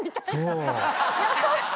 優しい！